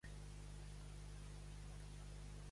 Què pensa Echenique que és una equivocació?